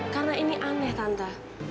karena ini aneh tante